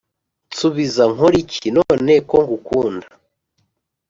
nsubiza nkoriki none ko nkukunda